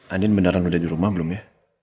andin beneran udah dirumah belum ya